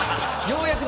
ようやく。